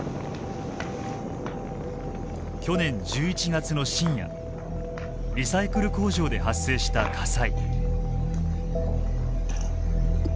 去年１１月の深夜リサイクル工場で発生した火災。